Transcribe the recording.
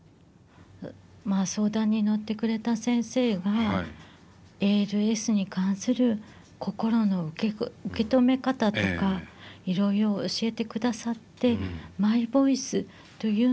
まあ相談に乗ってくれた先生がＡＬＳに関する心の受け止め方とかいろいろ教えてくださってマイボイスというのもあるよということで。